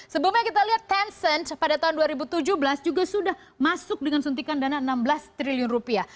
sebelumnya kita lihat tencent pada tahun dua ribu tujuh belas juga sudah masuk dengan suntikan dana enam belas triliun rupiah